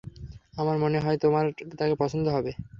আমার মনে হয় তোমার তাকে পছন্দ হবে।